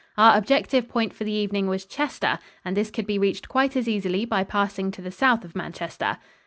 Our objective point for the evening was Chester, and this could be reached quite as easily by passing to the south of Manchester.